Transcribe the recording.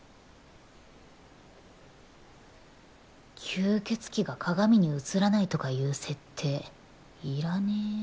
吸血鬼が鏡に映らないとかいう設定いらねぇ